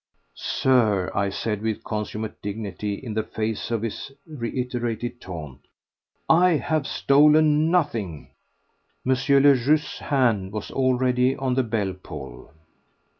"Sir," I said with consummate dignity in the face of this reiterated taunt, "I have stolen nothing—" M. le Juge's hand was already on the bell pull.